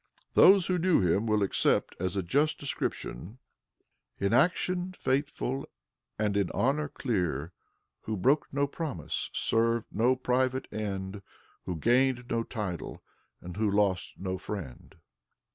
Those who knew him will accept as a just description: "In action faithful, and in honor clear, Who broke no promise, served no private end, Who gained no title, and who lost no friend."